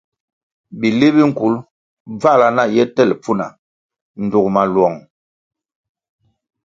Bili bi nkul bvãhla na ye tel pfuna dug maluong.